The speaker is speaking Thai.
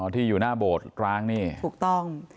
ที่อยู่หน้าโบสตร้างนี่ถูกต้อง